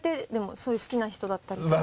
そういう好きな人だったりとか。